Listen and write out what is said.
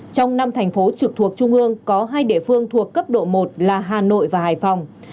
trong năm thành phố trực thuộc trung ương có hai địa phương thuộc cấp độ một là hà nội và hải phòng